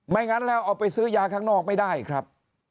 งั้นแล้วเอาไปซื้อยาข้างนอกไม่ได้ครับ